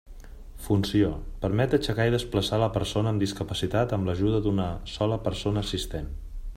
Funció: permet aixecar i desplaçar la persona amb discapacitat amb l'ajuda d'una sola persona assistent.